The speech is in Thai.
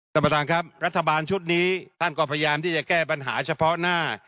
ท่านประธานครับรัฐบาลชุดนี้ท่านก็พยายามที่จะแก้ปัญหาเฉพาะหน้า